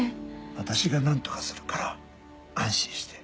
私が何とかするから安心して。